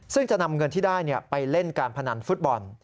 ซึ่งจะนำเงินที่ได้ไปเล่นการพนันฟุตบอล